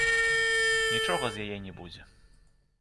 Нічога з яе не будзе.